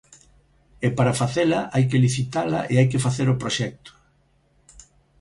E para facela hai que licitala e hai que facer o proxecto.